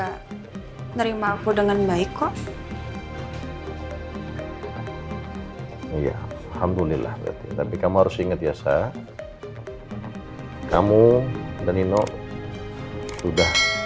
hai menerima aku dengan baik kok ya alhamdulillah tapi kamu harus inget ya sa kamu dan nino sudah